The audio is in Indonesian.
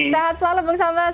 selamat selalu bung sambas